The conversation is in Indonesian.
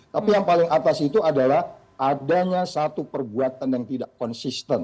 tapi yang paling atas itu adalah adanya satu perbuatan yang tidak konsisten